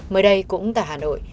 mới đây cũng tại hà nội